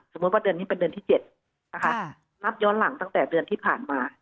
ว่าเดือนนี้เป็นเดือนที่๗นะคะนับย้อนหลังตั้งแต่เดือนที่ผ่านมา